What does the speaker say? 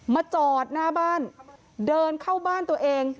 จอดหน้าบ้านเดินเข้าบ้านตัวเอง